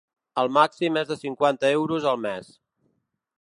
El màxim és de cinquanta euros al mes.